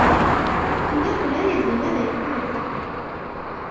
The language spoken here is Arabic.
إنه لا يدري ماذا يكون الفقر.